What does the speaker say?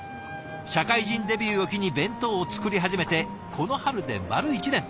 社会人デビューを機に弁当を作り始めてこの春で丸１年。